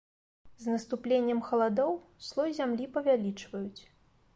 З наступленнем халадоў слой зямлі павялічваюць.